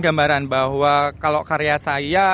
gambaran bahwa kalau karya saya